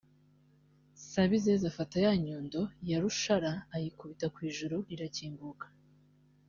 Sabizeze afata ya nyundo Nyarushara ayikubita kw’ijuru rirakinguka